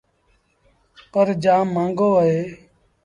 پر جآم مآݩگو اهي۔